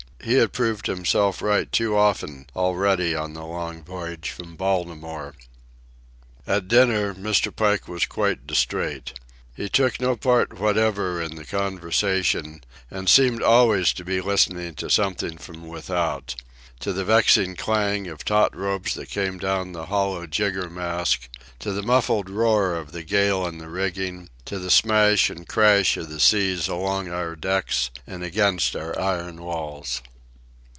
He had proved himself right too often already on the long voyage from Baltimore. At dinner Mr. Pike was quite distrait. He took no part whatever in the conversation, and seemed always to be listening to something from without—to the vexing clang of taut ropes that came down the hollow jiggermast, to the muffled roar of the gale in the rigging, to the smash and crash of the seas along our decks and against our iron walls.